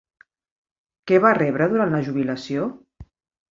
Què va rebre durant la jubilació?